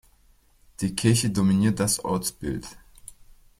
Die Kirche dominiert das Ortsbild.